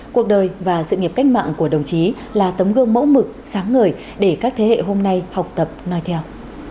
cuộc đời và sự nghiệp cách mạng của đồng chí là tấm gương mẫu mực sáng ngời để các thế hệ hôm nay học tập nói theo